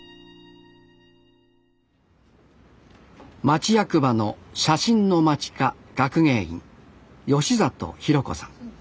町役場の写真の町課学芸員里演子さん